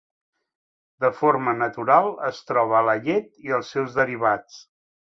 De forma natural es troba a la llet i als seus derivats.